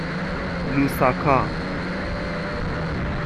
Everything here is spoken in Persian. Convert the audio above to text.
لوساکا